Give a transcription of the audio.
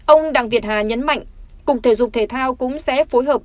ông đặng việt hà nhấn mạnh cục thể dục thể thao cũng sẽ phối hợp